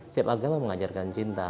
setiap agama mengajarkan cinta